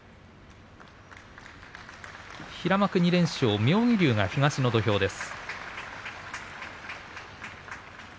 平幕２連勝、妙義龍が東の土俵です。